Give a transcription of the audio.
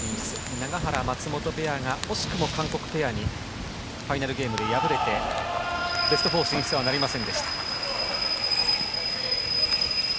永原、松本ペアが惜しくも韓国ペアにファイナルゲームで敗れてベスト４進出はなりませんでした。